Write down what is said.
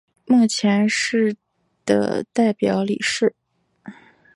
目前是的代表理事。